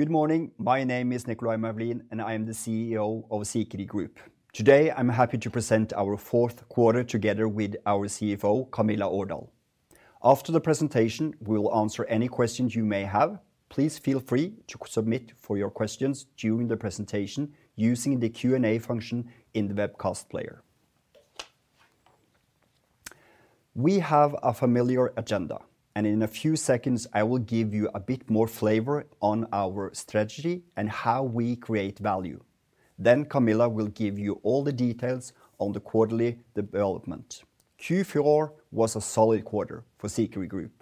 Good morning. My name is Nicolay Moulin. I am the CEO of Sikri Group. Today, I'm happy to present our fourth quarter together with our CFO, Camilla Aardal. After the presentation, we'll answer any questions you may have. Please feel free to submit for your questions during the presentation using the Q&A function in the webcast player. We have a familiar agenda. In a few seconds, I will give you a bit more flavor on our strategy and how we create value. Camilla will give you all the details on the quarterly development. Q4 was a solid quarter for Sikri Group,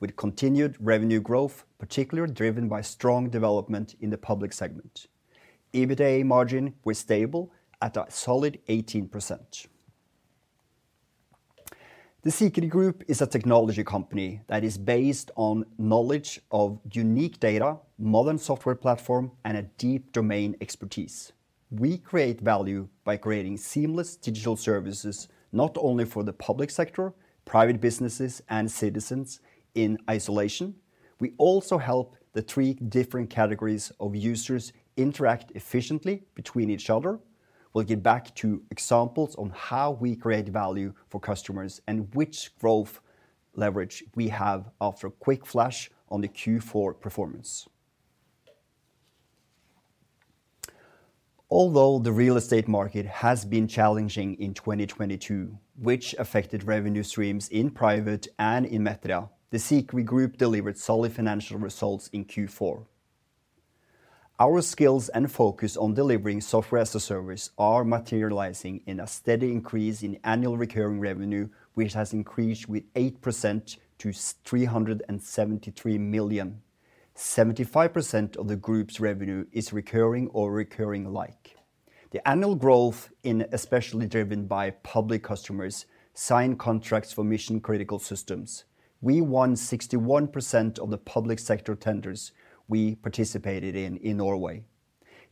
with continued revenue growth, particularly driven by strong development in the public segment. EBITDA margin was stable at a solid 18%. The Sikri Group is a technology company that is based on knowledge of unique data, modern software platform, and a deep domain expertise. We create value by creating seamless digital services, not only for the public sector, private businesses, and citizens in isolation. We also help the three different categories of users interact efficiently between each other. We'll get back to examples on how we create value for customers and which growth leverage we have after a quick flash on the Q4 performance. Although the real estate market has been challenging in 2022, which affected revenue streams in private and in Metria, the Sikri Group delivered solid financial results in Q4. Our skills and focus on delivering software as a service are materializing in a steady increase in annual recurring revenue, which has increased with 8% to 373 million. 75% of the group's revenue is recurring or recurring like. The annual growth in especially driven by public customers sign contracts for mission-critical systems. We won 61% of the public sector tenders we participated in in Norway.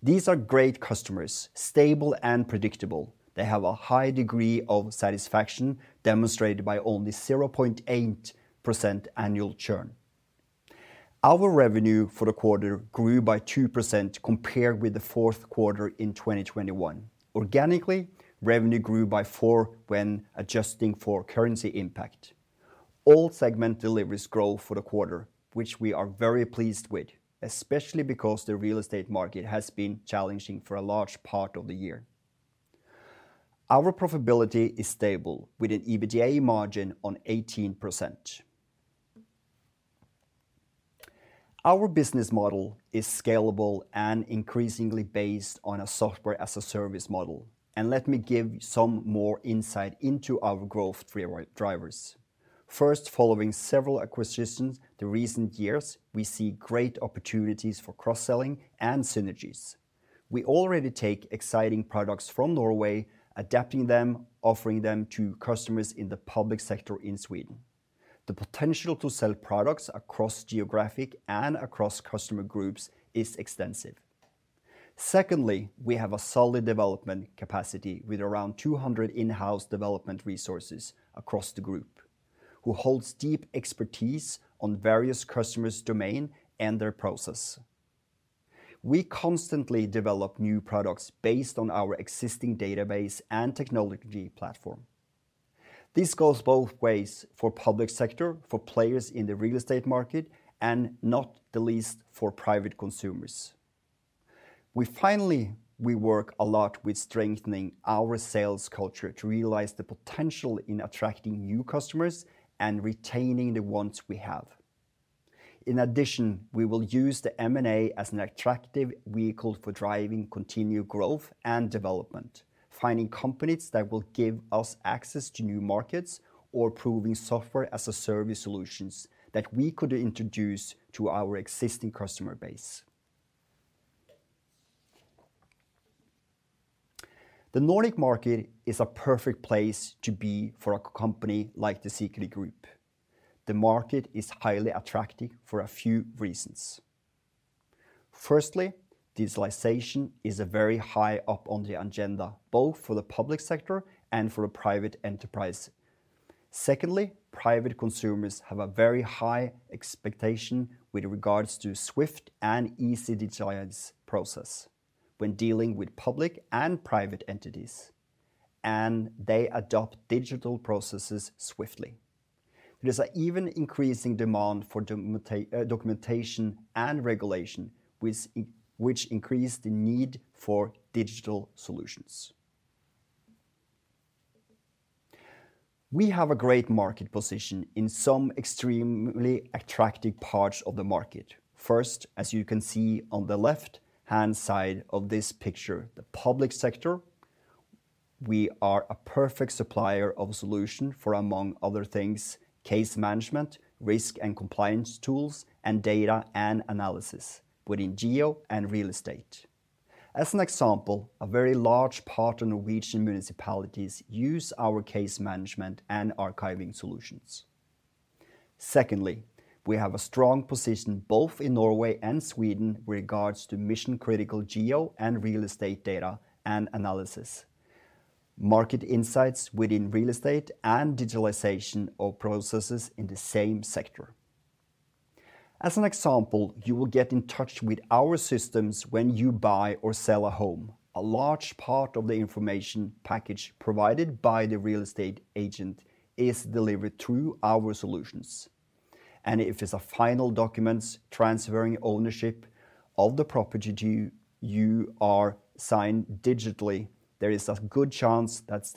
These are great customers, stable and predictable. They have a high degree of satisfaction demonstrated by only 0.8% annual churn. Our revenue for the quarter grew by 2% compared with the fourth quarter in 2021. Organically, revenue grew by 4% when adjusting for currency impact. All segment deliveries grow for the quarter, which we are very pleased with, especially because the real estate market has been challenging for a large part of the year. Our profitability is stable with an EBITDA margin on 18%. Our business model is scalable and increasingly based on a software-as-a-service model. Let me give some more insight into our growth drivers. First, following several acquisitions the recent years, we see great opportunities for cross-selling and synergies. We already take exciting products from Norway, adapting them, offering them to customers in the public sector in Sweden. The potential to sell products across geographic and across customer groups is extensive. Secondly, we have a solid development capacity with around 200 in-house development resources across the group, who holds deep expertise on various customers' domain and their process. We constantly develop new products based on our existing database and technology platform. This goes both ways for public sector, for players in the real estate market, and not the least for private consumers. We work a lot with strengthening our sales culture to realize the potential in attracting new customers and retaining the ones we have. In addition, we will use the M&A as an attractive vehicle for driving continued growth and development, finding companies that will give us access to new markets or proving SaaS solutions that we could introduce to our existing customer base. The Nordic market is a perfect place to be for a company like the Sikri Group. The market is highly attractive for a few reasons. Firstly, digitalization is a very high up on the agenda, both for the public sector and for a private enterprise. Secondly, private consumers have a very high expectation with regards to swift and easy process when dealing with public and private entities, and they adopt digital processes swiftly. There's an even increasing demand for documentation and regulation, which increase the need for digital solutions. We have a great market position in some extremely attractive parts of the market. First, as you can see on the left-hand side of this picture, the public sector, we are a perfect supplier of solution for, among other things, case management, risk and compliance tools, and data and analysis within geo and real estate. As an example, a very large part of Norwegian municipalities use our case management and archiving solutions. Secondly, we have a strong position both in Norway and Sweden with regards to mission-critical geo and real estate data and analysis. Market insights within real estate and digitalization of processes in the same sector. As an example, you will get in touch with our systems when you buy or sell a home. A large part of the information package provided by the real estate agent is delivered through our solutions. If it's a final documents transferring ownership of the property to you are signed digitally, there is a good chance that's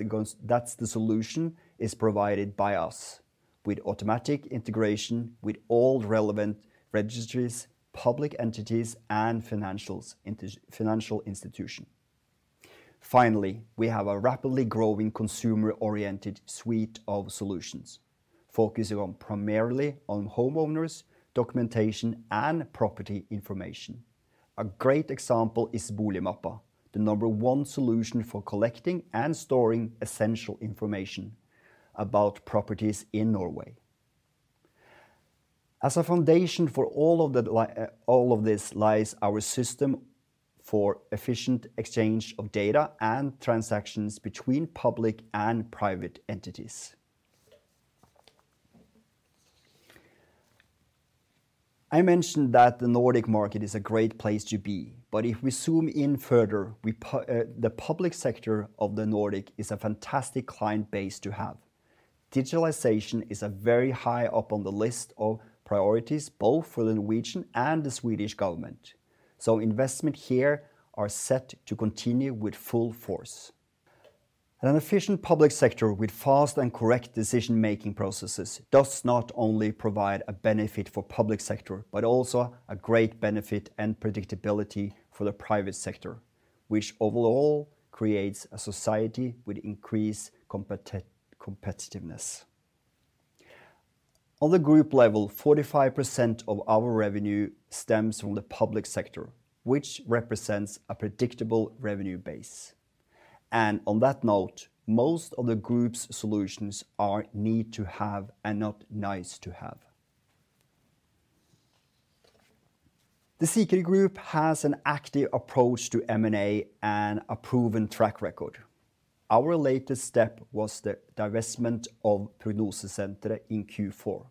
the solution is provided by us with automatic integration with all relevant registries, public entities, and financial institution. Finally, we have a rapidly growing consumer-oriented suite of solutions focusing on primarily on homeowners, documentation, and property information. A great example is Boligmappa, the number one solution for collecting and storing essential information about properties in Norway. As a foundation for all of this lies our system for efficient exchange of data and transactions between public and private entities. I mentioned that the Nordic market is a great place to be, but if we zoom in further, we the public sector of the Nordic is a fantastic client base to have. Digitalization is very high up on the list of priorities both for the Norwegian and the Swedish government, investment here are set to continue with full force. An efficient public sector with fast and correct decision-making processes does not only provide a benefit for public sector, but also a great benefit and predictability for the private sector, which overall creates a society with increased competitiveness. On the group level, 45% of our revenue stems from the public sector, which represents a predictable revenue base. On that note, most of the group's solutions are need to have and not nice to have. The Sikri Group has an active approach to M&A and a proven track record. Our latest step was the divestment of Prognosesenteret in Q4.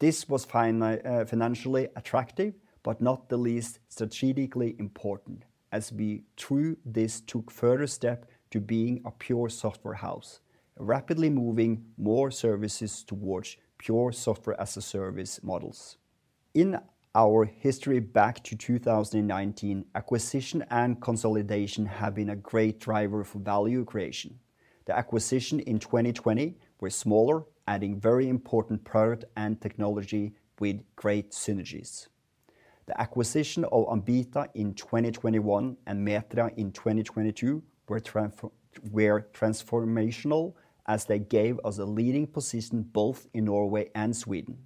This was financially attractive, but not the least strategically important as we, through this, took further step to being a pure software house, rapidly moving more services towards pure SaaS models. In our history back to 2019, acquisition and consolidation have been a great driver for value creation. The acquisition in 2020 were smaller, adding very important product and technology with great synergies. The acquisition of Ambita in 2021 and Metria in 2022 were transformational as they gave us a leading position both in Norway and Sweden.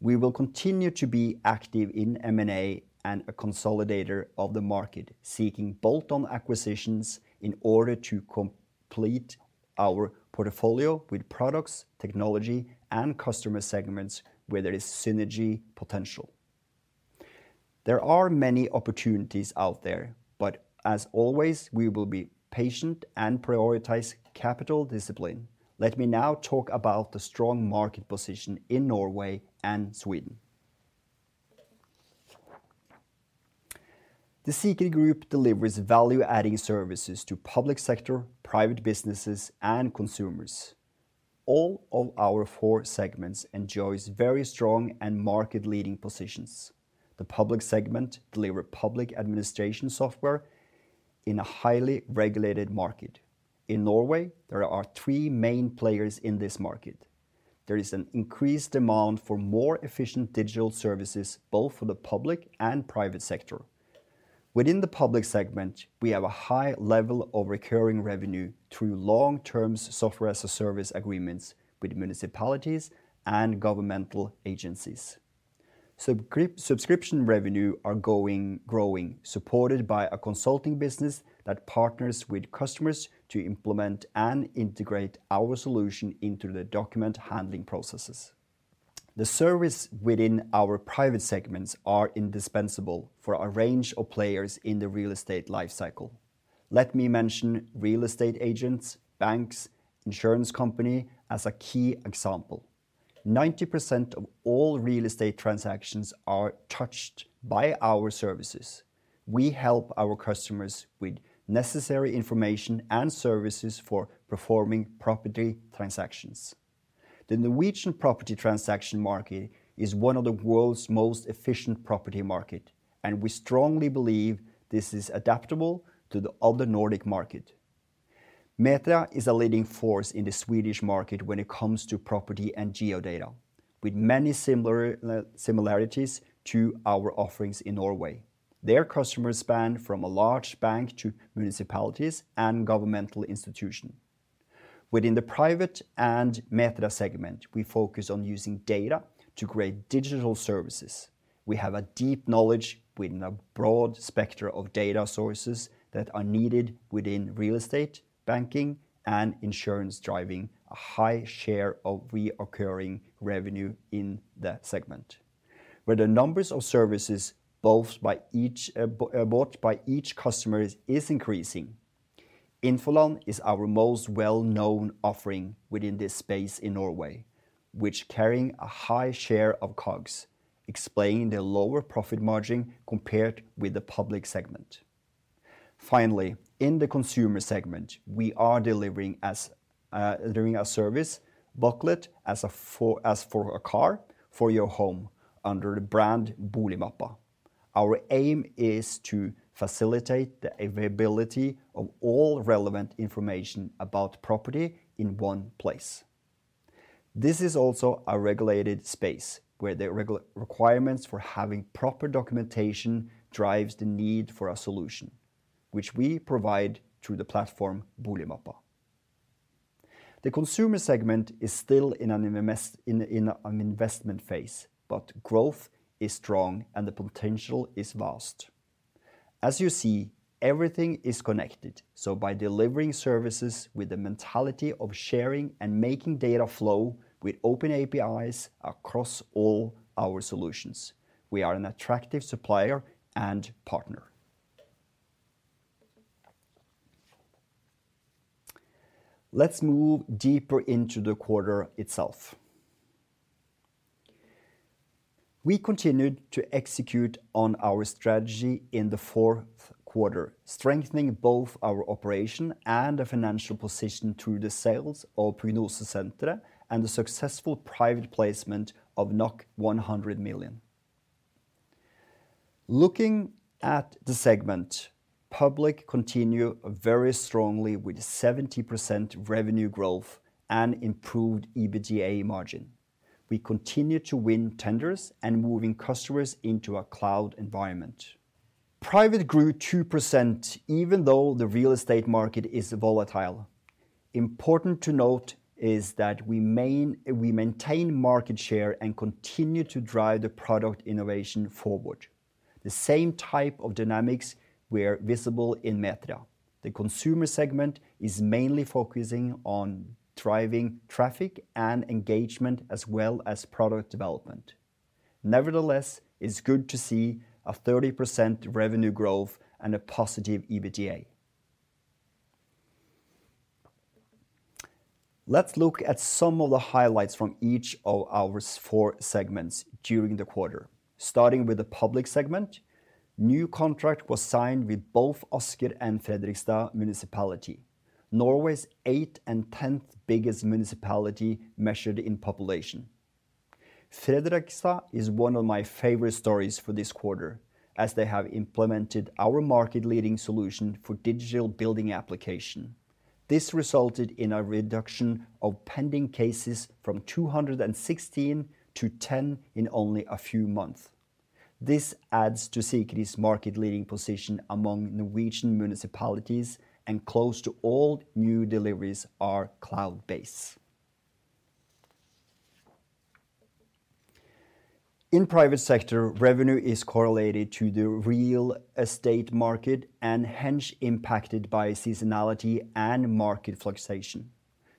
We will continue to be active in M&A and a consolidator of the market, seeking bolt-on acquisitions in order to complete our portfolio with products, technology, and customer segments where there is synergy potential. There are many opportunities out there, but as always, we will be patient and prioritize capital discipline. Let me now talk about the strong market position in Norway and Sweden. The Sikri Group delivers value-adding services to public sector, private businesses, and consumers. All of our four segments enjoys very strong and market-leading positions. The public segment deliver public administration software in a highly regulated market. In Norway, there are three main players in this market. There is an increased demand for more efficient digital services both for the public and private sector. Within the public segment, we have a high level of recurring revenue through long-term SaaS agreements with municipalities and governmental agencies. Subscription revenue growing, supported by a consulting business that partners with customers to implement and integrate our solution into the document handling processes. The service within our private segments are indispensable for a range of players in the real estate life cycle. Let me mention real estate agents, banks, insurance company as a key example. 90% of all real estate transactions are touched by our services. We help our customers with necessary information and services for performing property transactions. The Norwegian property transaction market is one of the world's most efficient property market, we strongly believe this is adaptable to the other Nordic market. Metria is a leading force in the Swedish market when it comes to property and geo-data, with many similar similarities to our offerings in Norway. Their customers span from a large bank to municipalities and governmental institution. Within the private and Metria segment, we focus on using data to create digital services. We have a deep knowledge within a broad spectrum of data sources that are needed within real estate, banking, and insurance, driving a high share of reoccurring revenue in that segment. Where the numbers of services both by each bought by each customer is increasing. Infoland is our most well-known offering within this space in Norway, which carrying a high share of COGS, explaining the lower profit margin compared with the public segment. Finally, in the consumer segment, we are delivering as delivering a service booklet as for a car for your home under the brand Boligmappa. Our aim is to facilitate the availability of all relevant information about property in one place. This is also a regulated space where the requirements for having proper documentation drives the need for a solution, which we provide through the platform Boligmappa. The consumer segment is still in an investment phase, but growth is strong and the potential is vast. As you see, everything is connected, so by delivering services with the mentality of sharing and making data flow with open APIs across all our solutions, we are an attractive supplier and partner. Let's move deeper into the quarter itself. We continued to execute on our strategy in the fourth quarter, strengthening both our operation and the financial position through the sales of Prognosesenteret and the successful private placement of 100 million. Looking at the segment, Public continue very strongly with 70% revenue growth and improved EBITDA margin. We continue to win tenders and moving customers into a cloud environment. Private grew 2% even though the real estate market is volatile. Important to note is that we maintain market share and continue to drive the product innovation forward. The same type of dynamics were visible in Metria. The consumer segment is mainly focusing on driving traffic and engagement as well as product development. Nevertheless, it's good to see a 30% revenue growth and a positive EBITDA. Let's look at some of the highlights from each of our four segments during the quarter. Starting with the public segment, new contract was signed with both Asker and Fredrikstad Municipality, Norway's eighth and tenth biggest municipality measured in population. Fredrikstad is one of my favorite stories for this quarter, as they have implemented our market-leading solution for digital building application. This resulted in a reduction of pending cases from 216 to 10 in only a few months. This adds to Sikri Group's market-leading position among Norwegian municipalities and close to all new deliveries are cloud-based. In private sector, revenue is correlated to the real estate market and hence impacted by seasonality and market fluctuation.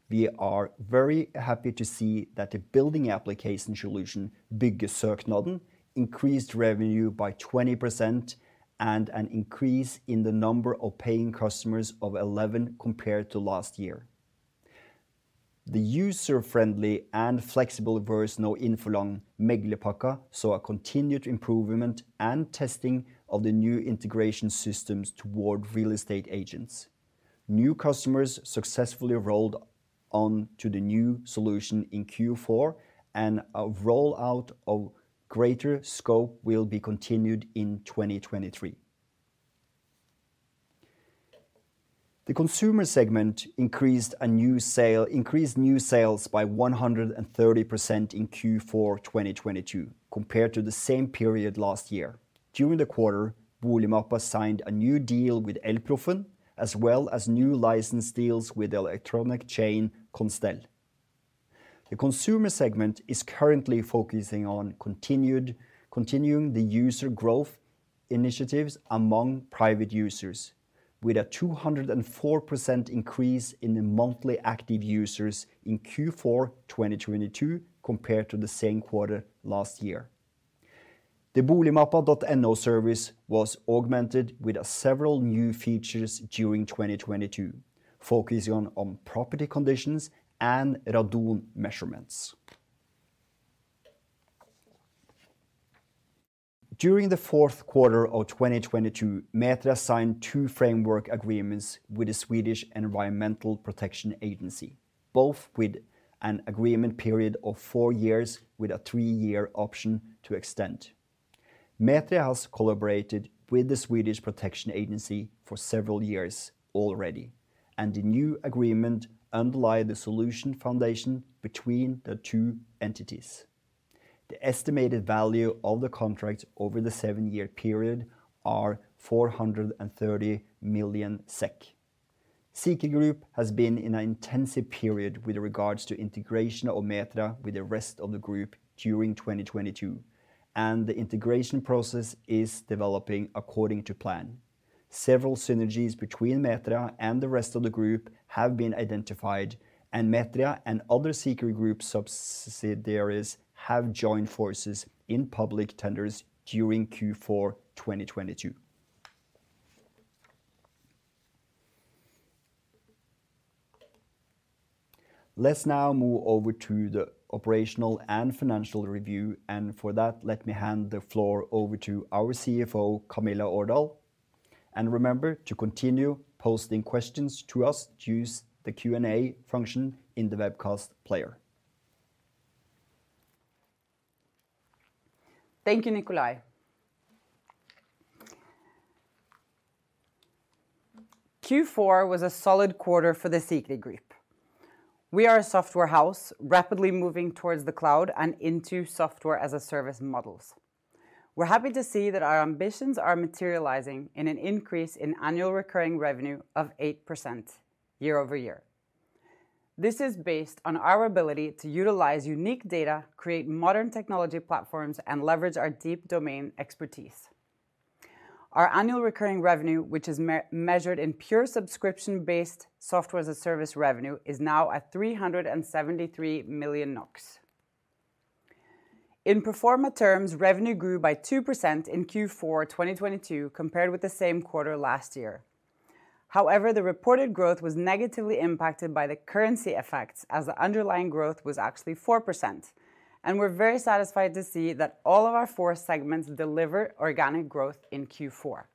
We are very happy to see that the building application solution, Byggesøknaden, increased revenue by 20% and an increase in the number of paying customers of 11 compared to last year. The user-friendly and flexible version of Infoland Meglerpakken saw a continued improvement and testing of the new integration systems toward real estate agents. New customers successfully rolled on to the new solution in Q4, and a rollout of greater scope will be continued in 2023. The consumer segment increased new sales by 130% in Q4 2022 compared to the same period last year. During the quarter, Boligmappa signed a new deal with EL-PROFFEN, as well as new license deals with the electronic chain [Constell]. The consumer segment is currently focusing on continuing the user growth initiatives among private users, with a 204% increase in the monthly active users in Q4 2022 compared to the same quarter last year. The boligmappa.no service was augmented with several new features during 2022, focusing on property conditions and radon measurements. During the fourth quarter of 2022, Metria signed two framework agreements with the Swedish Environmental Protection Agency, both with an agreement period of four years with a three-year option to extend. Metria has collaborated with the Swedish Environmental Protection Agency for several years already, the new agreement underlie the solution foundation between the two entities. The estimated value of the contract over the seven-year period are 430 million SEK. Sikri Group has been in an intensive period with regards to integration of Metria with the rest of the group during 2022, and the integration process is developing according to plan. Several synergies between Metria and the rest of the group have been identified, and Metria and other Sikri Group subsidiaries have joined forces in public tenders during Q4 2022. Let's now move over to the operational and financial review. For that, let me hand the floor over to our CFO, Camilla Aardal. Remember to continue posting questions to us, use the Q&A function in the webcast player. Thank you, Nikolay. Q4 was a solid quarter for the Sikri Group. We are a software house rapidly moving towards the cloud and into SaaS models. We're happy to see that our ambitions are materializing in an increase in annual recurring revenue of 8% year-over-year. This is based on our ability to utilize unique data, create modern technology platforms, and leverage our deep domain expertise. Our annual recurring revenue, which is measured in pure subscription-based SaaS revenue, is now at 373 million NOK. In pro forma terms, revenue grew by 2% in Q4 2022 compared with the same quarter last year. However, the reported growth was negatively impacted by the currency effects as the underlying growth was actually 4%, and we're very satisfied to see that all of our four segments deliver organic growth in Q4.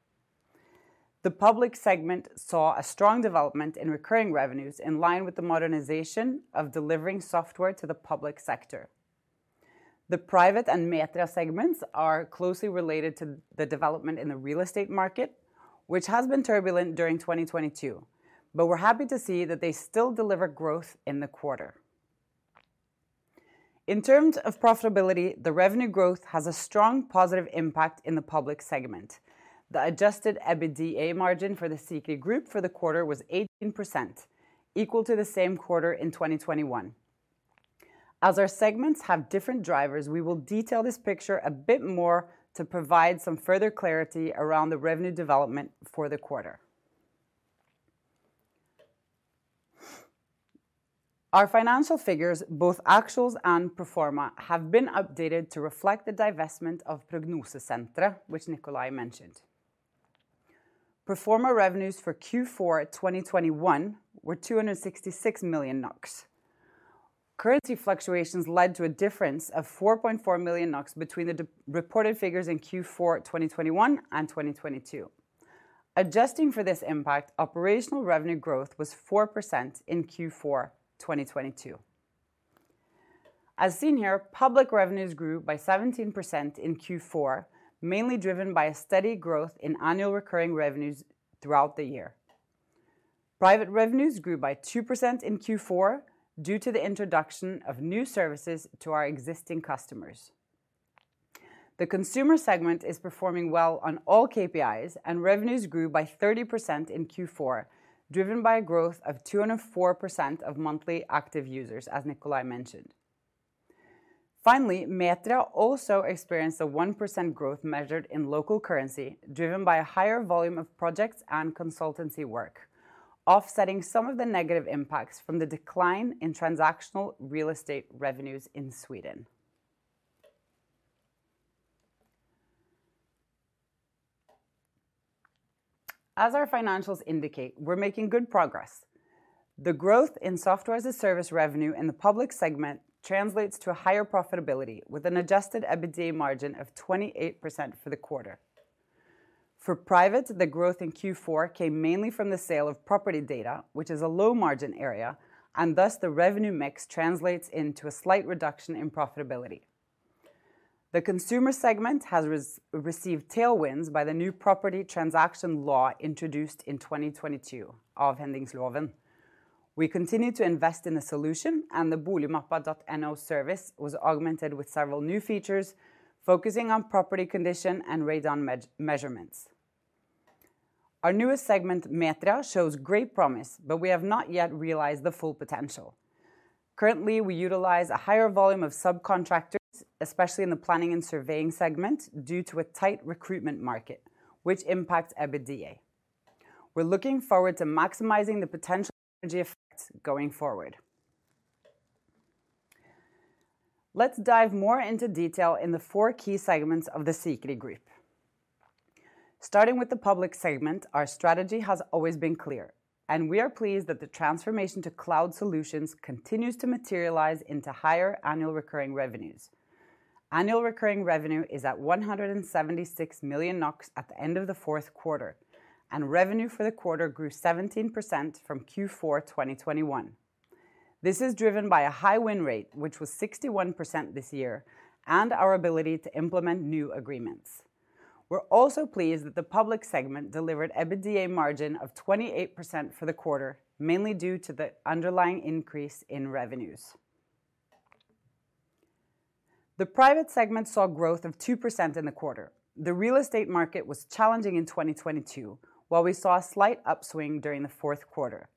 The public segment saw a strong development in recurring revenues in line with the modernization of delivering software to the public sector. The private and Metria segments are closely related to the development in the real estate market, which has been turbulent during 2022. We're happy to see that they still deliver growth in the quarter. In terms of profitability, the revenue growth has a strong positive impact in the public segment. The Adjusted EBITDA margin for the Sikri Group for the quarter was 18%, equal to the same quarter in 2021. As our segments have different drivers, we will detail this picture a bit more to provide some further clarity around the revenue development for the quarter. Our financial figures, both actuals and pro forma, have been updated to reflect the divestment of Prognosesenteret, which Nikolay mentioned. Pro forma revenues for Q4 2021 were 266 million. Currency fluctuations led to a difference of 4.4 million NOK between the reported figures in Q4 2021 and 2022. Adjusting for this impact, operational revenue growth was 4% in Q4 2022. As seen here, public revenues grew by 17% in Q4, mainly driven by a steady growth in annual recurring revenues throughout the year. Private revenues grew by 2% in Q4 due to the introduction of new services to our existing customers. The consumer segment is performing well on all KPIs, and revenues grew by 30% in Q4, driven by a growth of 204% of monthly active users, as Nikolay mentioned. Metria also experienced a 1% growth measured in local currency, driven by a higher volume of projects and consultancy work, offsetting some of the negative impacts from the decline in transactional real estate revenues in Sweden. As our financials indicate, we're making good progress. The growth in SaaS revenue in the public segment translates to a higher profitability with an Adjusted EBITDA margin of 28% for the quarter. For private, the growth in Q4 came mainly from the sale of property data, which is a low-margin area, and thus the revenue mix translates into a slight reduction in profitability. The consumer segment has received tailwinds by the new property transaction law introduced in 2022, Avhendingsloven. We continued to invest in the solution, and the boligmappa.no service was augmented with several new features, focusing on property condition and radon measurements. Our newest segment, Metria, shows great promise, but we have not yet realized the full potential. Currently, we utilize a higher volume of subcontractors, especially in the planning and surveying segment, due to a tight recruitment market which impacts EBITDA. We're looking forward to maximizing the potential synergy effects going forward. Let's dive more into detail in the four key segments of the Sikri Group. Starting with the public segment, our strategy has always been clear, and we are pleased that the transformation to cloud solutions continues to materialize into higher annual recurring revenues. Annual recurring revenue is at 176 million NOK at the end of the fourth quarter, and revenue for the quarter grew 17% from Q4 2021. This is driven by a high win rate, which was 61% this year, and our ability to implement new agreements. We're also pleased that the public segment delivered EBITDA margin of 28% for the quarter, mainly due to the underlying increase in revenues. The private segment saw growth of 2% in the quarter. The real estate market was challenging in 2022, while we saw a slight upswing during the fourth quarter.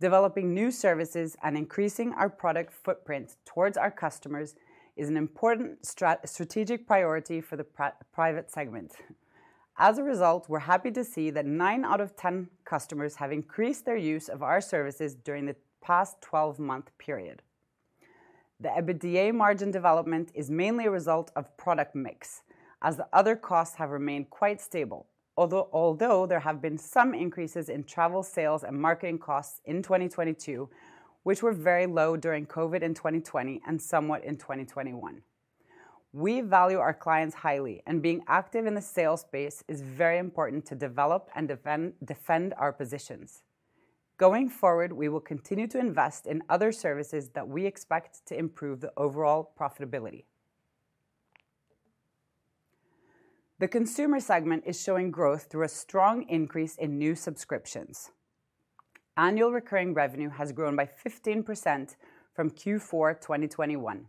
Developing new services and increasing our product footprint towards our customers is an important strategic priority for the private segment. As a result, we're happy to see that nine out of 10 customers have increased their use of our services during the past 12-month period. The EBITDA margin development is mainly a result of product mix, as the other costs have remained quite stable. Although there have been some increases in travel sales and marketing costs in 2022, which were very low during COVID in 2020 and somewhat in 2021. We value our clients highly, and being active in the sales space is very important to develop and defend our positions. Going forward, we will continue to invest in other services that we expect to improve the overall profitability. The consumer segment is showing growth through a strong increase in new subscriptions. Annual recurring revenue has grown by 15% from Q4 2021.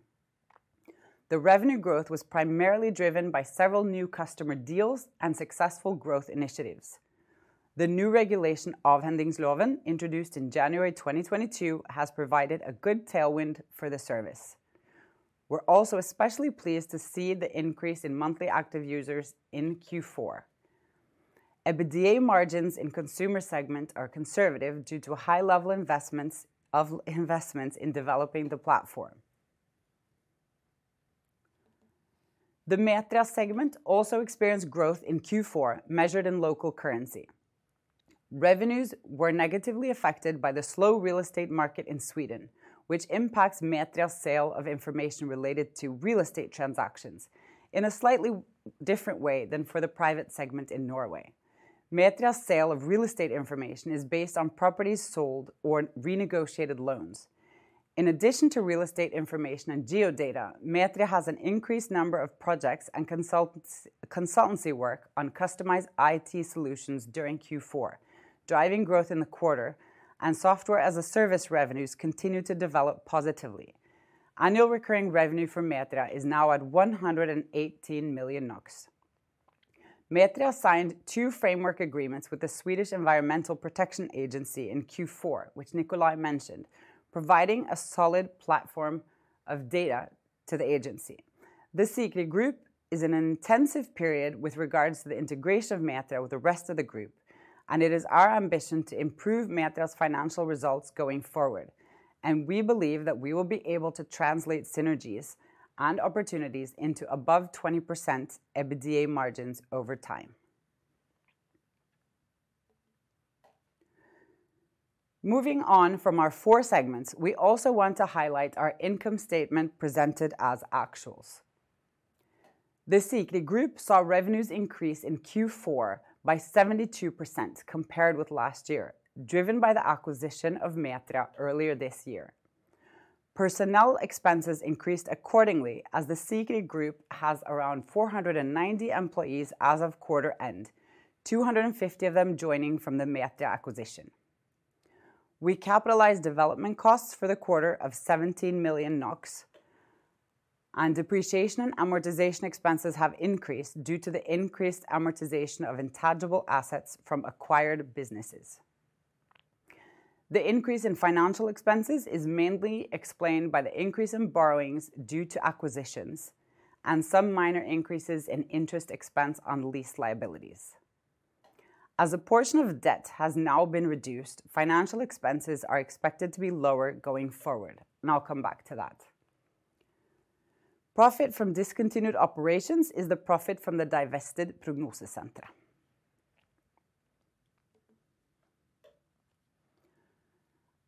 The revenue growth was primarily driven by several new customer deals and successful growth initiatives. The new regulation, Avhendingsloven, introduced in January 2022, has provided a good tailwind for the service. We're also especially pleased to see the increase in monthly active users in Q4. EBITDA margins in consumer segment are conservative due to high level investments in developing the platform. The Metria segment also experienced growth in Q4 measured in local currency. Revenues were negatively affected by the slow real estate market in Sweden, which impacts Metria's sale of information related to real estate transactions in a slightly different way than for the private segment in Norway. Metria's sale of real estate information is based on properties sold or renegotiated loans. In addition to real estate information and geo-data, Metria has an increased number of projects and consultancy work on customized IT solutions during Q4, driving growth in the quarter, and SaaS revenues continue to develop positively. Annual recurring revenue for Metria is now at 118 million NOK. Metria signed two framework agreements with the Swedish Environmental Protection Agency in Q4, which Nikolay mentioned, providing a solid platform of data to the agency. The Sikri Group is in an intensive period with regards to the integration of Metria with the rest of the group, and it is our ambition to improve Metria's financial results going forward. We believe that we will be able to translate synergies and opportunities into above 20% EBITDA margins over time. Moving on from our four segments, we also want to highlight our income statement presented as actuals. The Sikri Group saw revenues increase in Q4 by 72% compared with last year, driven by the acquisition of Metria earlier this year. Personnel expenses increased accordingly as the Sikri Group has around 490 employees as of quarter end, 250 of them joining from the Metria acquisition. We capitalized development costs for the quarter of 17 million NOK, and depreciation and amortization expenses have increased due to the increased amortization of intangible assets from acquired businesses. The increase in financial expenses is mainly explained by the increase in borrowings due to acquisitions and some minor increases in interest expense on lease liabilities. As a portion of debt has now been reduced, financial expenses are expected to be lower going forward. I'll come back to that. Profit from discontinued operations is the profit from the divested Prognosesenteret.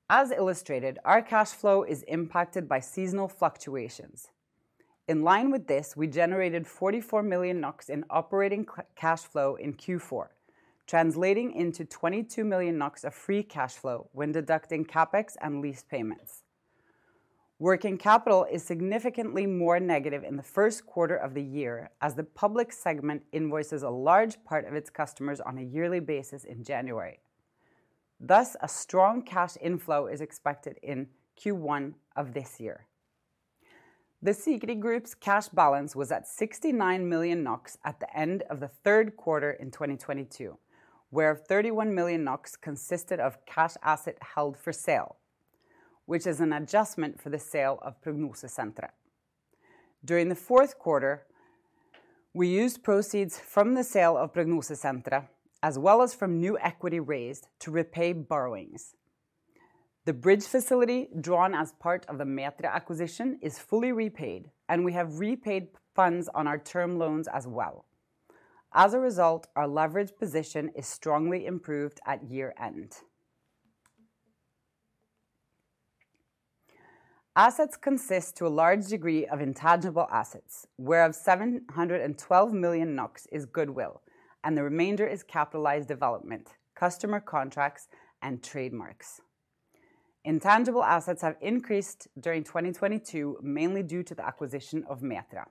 As illustrated, our cash flow is impacted by seasonal fluctuations. In line with this, we generated 44 million NOK in operating cash flow in Q4, translating into 22 million NOK of free cash flow when deducting CapEx and lease payments. Working capital is significantly more negative in the first quarter of the year as the public segment invoices a large part of its customers on a yearly basis in January. Thus, a strong cash inflow is expected in Q1 of this year. The Sikri Group's cash balance was at 69 million NOK at the end of the third quarter in 2022, where 31 million NOK consisted of cash asset held for sale, which is an adjustment for the sale of Prognosesenteret. During the fourth quarter, we used proceeds from the sale of Prognosesenteret, as well as from new equity raised to repay borrowings. The bridge facility drawn as part of the Metria acquisition is fully repaid, and we have repaid funds on our term loans as well. As a result, our leverage position is strongly improved at year-end. Assets consist to a large degree of intangible assets, whereof 712 million NOK is goodwill, and the remainder is capitalized development, customer contracts, and trademarks. Intangible assets have increased during 2022, mainly due to the acquisition of Metria.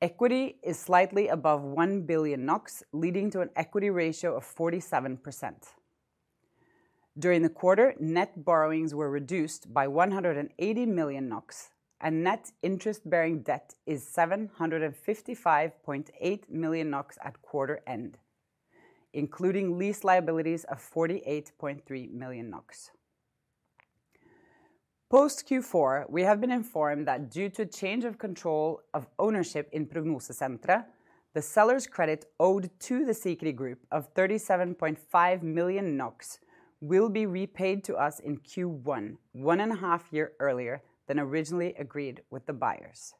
Equity is slightly above 1 billion NOK, leading to an equity ratio of 47%. During the quarter, net borrowings were reduced by 180 million NOK, and net interest-bearing debt is 755.8 million NOK at quarter end, including lease liabilities of 48.3 million NOK. Post Q4, we have been informed that due to change of control of ownership in Prognosesenteret, the seller's credit owed to the Sikri Group of 37.5 million NOK will be repaid to us in Q1, one and a half year earlier than originally agreed with the buyers.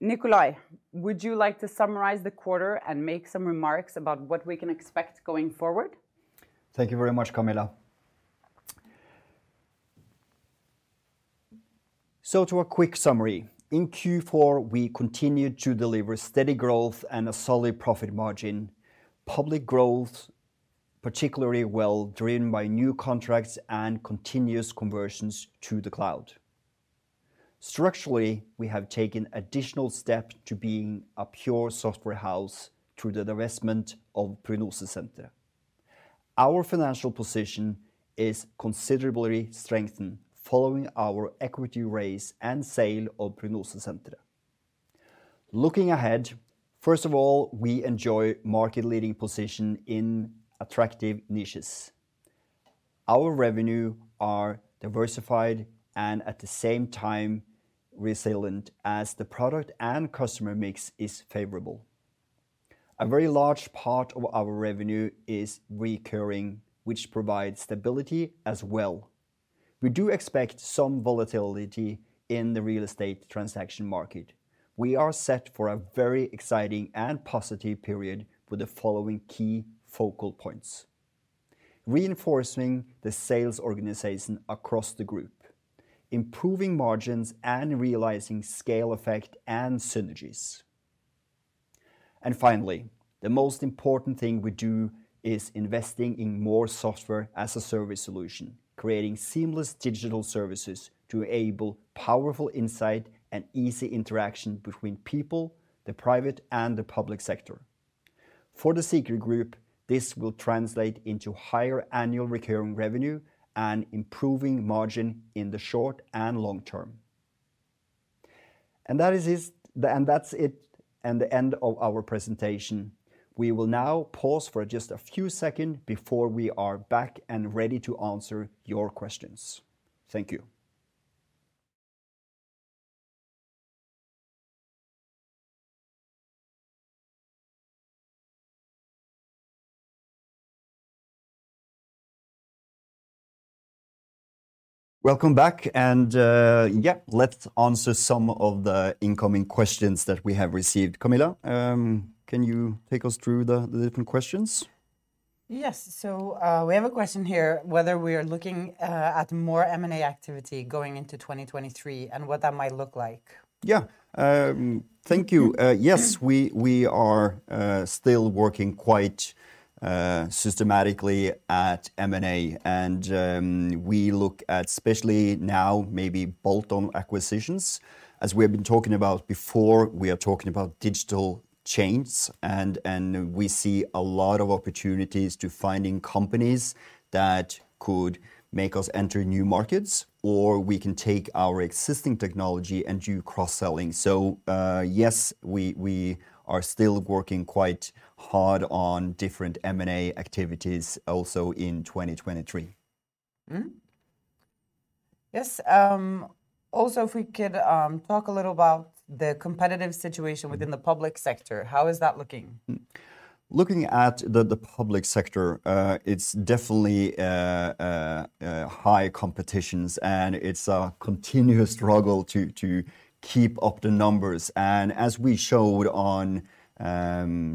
Nikolay, would you like to summarize the quarter and make some remarks about what we can expect going forward? Thank you very much, Camilla. To a quick summary, in Q4, we continued to deliver steady growth and a solid profit margin. Public growth, particularly well driven by new contracts and continuous conversions to the cloud. Structurally, we have taken additional step to being a pure software house through the divestment of Prognosesenteret. Our financial position is considerably strengthened following our equity raise and sale of Prognosesenteret. Looking ahead, first of all, we enjoy market leading position in attractive niches. Our revenue are diversified and at the same time resilient as the product and customer mix is favorable. A very large part of our revenue is recurring, which provides stability as well. We do expect some volatility in the real estate transaction market. We are set for a very exciting and positive period with the following key focal points. Reinforcing the sales organization across the group. Improving margins and realizing scale effect and synergies. Finally, the most important thing we do is investing in more SaaS solution, creating seamless digital services to enable powerful insight and easy interaction between people, the private, and the public sector. For the Sikri Group, this will translate into higher annual recurring revenue and improving margin in the short and long term. That's it and the end of our presentation. We will now pause for just a few second before we are back and ready to answer your questions. Thank you. Welcome back, let's answer some of the incoming questions that we have received. Camilla Aardal, can you take us through the different questions? We have a question here whether we are looking at more M&A activity going into 2023 and what that might look like. Thank you. Yes, we are still working quite systematically at M&A. We look at especially now maybe bolt-on acquisitions. As we have been talking about before, we are talking about digital chains and we see a lot of opportunities to finding companies that could make us enter new markets, or we can take our existing technology and do cross-selling. Yes, we are still working quite hard on different M&A activities also in 2023. Yes, also if we could talk a little about the competitive situation within the public sector, how is that looking? Looking at the public sector, it's definitely high competitions, and it's a continuous struggle to keep up the numbers. As we showed on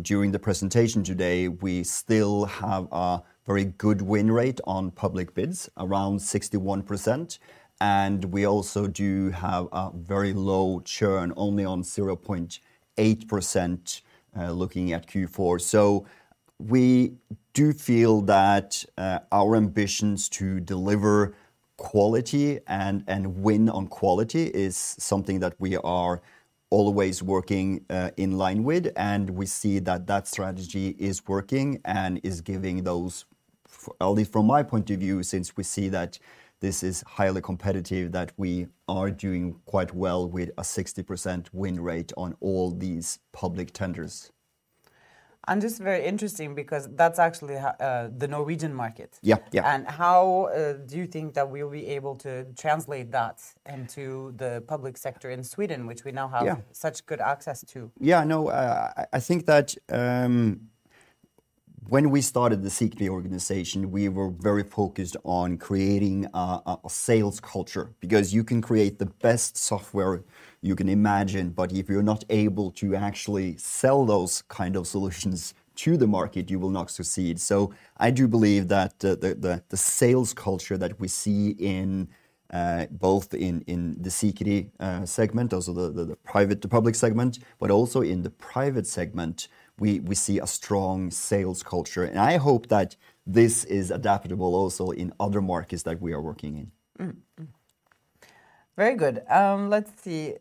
during the presentation today, we still have a very good win rate on public bids, around 61%, and we also do have a very low churn only on 0.8%, looking at Q4. We do feel that our ambitions to deliver quality and win on quality is something that we are always working in line with, and we see that that strategy is working and is giving those, at least from my point of view, since we see that this is highly competitive, that we are doing quite well with a 60% win rate on all these public tenders. This is very interesting because that's actually the Norwegian market. Yeah, yeah. How do you think that we'll be able to translate that into the public sector in Sweden, which we now? Yeah such good access to? I think that, when we started the Sikri Group organization, we were very focused on creating a sales culture because you can create the best software you can imagine, but if you're not able to actually sell those kind of solutions to the market, you will not succeed. I do believe that the sales culture that we see in both in the Sikri Group segment, also the private to public segment, but also in the private segment, we see a strong sales culture. I hope that this is adaptable also in other markets that we are working in. Mm-hmm. Very good. let's see.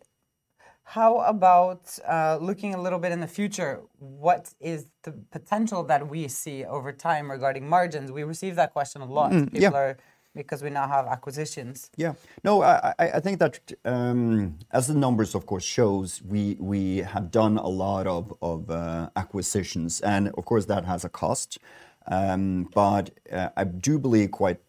How about looking a little bit in the future, what is the potential that we see over time regarding margins? We receive that question a lot. Mm-hmm. Yeah. Because we now have acquisitions. Yeah. No, I think that as the numbers of course, shows, we have done a lot of acquisitions, and of course, that has a cost. But I do believe, quite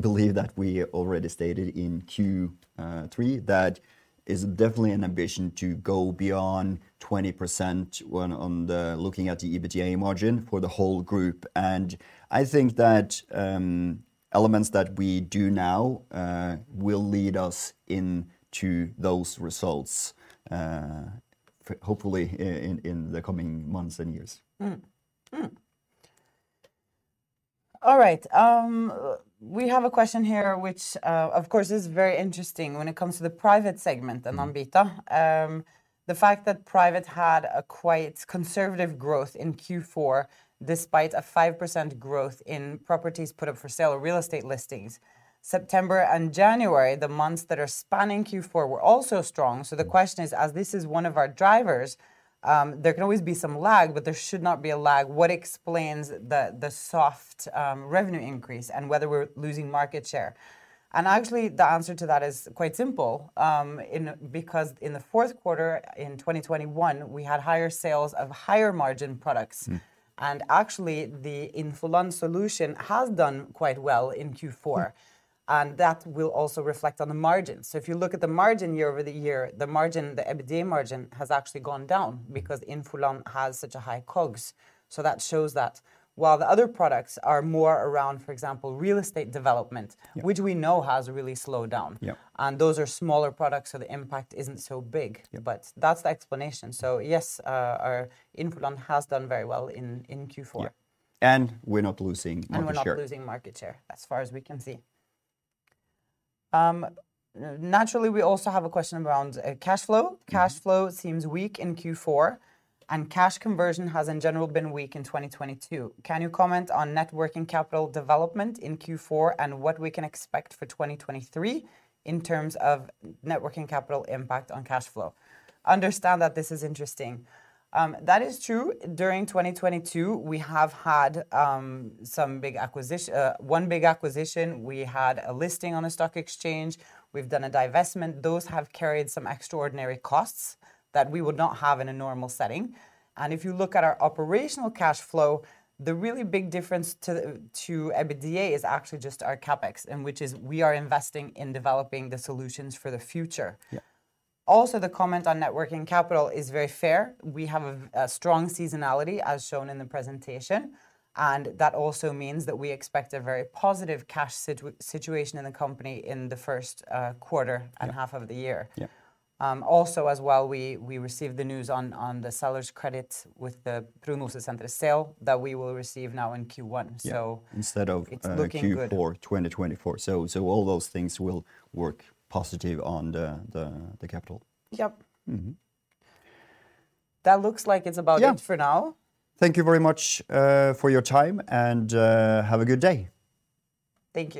believe that we already stated in Q3 that is definitely an ambition to go beyond 20% when looking at the EBITDA margin for the whole group. I think that elements that we do now will lead us into those results in Hopefully in the coming months and years. All right. we have a question here which, of course, is very interesting when it comes to the private segment, Ambita. The fact that Private had a quite conservative growth in Q4 despite a 5% growth in properties put up for sale or real estate listings. September and January, the months that are spanning Q4 were also strong. The question is, as this is one of our drivers, there can always be some lag, but there should not be a lag. What explains the soft revenue increase and whether we're losing market share? Actually, the answer to that is quite simple, because in the fourth quarter in 2021, we had higher sales of higher margin products. Actually, the Infoland solution has done quite well in Q4. That will also reflect on the margin. If you look at the margin year-over-year, the margin, the EBITDA margin has actually gone down because Infoland has such a high COGS, so that shows that. While the other products are more around, for example, real estate development- Yeah which we know has really slowed down. Yeah. Those are smaller products, so the impact isn't so big. Yeah. That's the explanation. Yes, our Infoland has done very well in Q4. Yeah. We're not losing market share. We're not losing market share, as far as we can see. Naturally, we also have a question around cash flow. Cashflow seems weak in Q4, and cash conversion has, in general, been weak in 2022. Can you comment on net working capital development in Q4 and what we can expect for 2023 in terms of networking capital impact on cashflow? Understand that this is interesting. That is true. During 2022, we have had one big acquisition. We had a listing on a stock exchange. We've done a divestment. Those have carried some extraordinary costs that we would not have in a normal setting. If you look at our operational cashflow, the really big difference to EBITDA is actually just our CapEx, which is we are investing in developing the solutions for the future. Yeah. Also, the comment on net working capital is very fair. We have a strong seasonality, as shown in the presentation, and that also means that we expect a very positive cash situation in the company in the first quarter-. Yeah half of the year. Yeah. Also as well, we received the news on the seller's credit with the Prognosesenteret sale that we will receive now in Q1. Yeah. It's looking good. Instead of, Q4 2024. All those things will work positive on the, the capital. Yep. Mm-hmm. That looks like it's about it for now. Yeah. Thank you very much, for your time, and have a good day. Thank you.